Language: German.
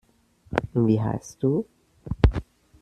Wie heißt du?